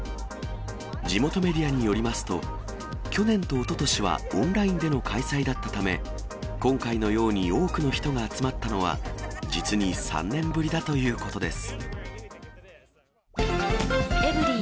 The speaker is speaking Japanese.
地元メディアによりますと、去年とおととしはオンラインでの開催だったため、今回のように多くの人が集まったのは、実に３年ぶりだということです。